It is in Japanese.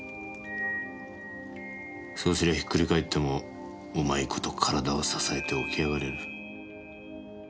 そうすりゃひっくり返ってもうまい事体を支えて起き上がれる。